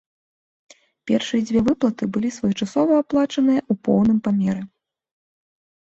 Першыя дзве выплаты былі своечасова аплачаныя ў поўным памеры.